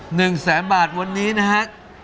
หนึ่งแสนบาทวันนี้นะฮะ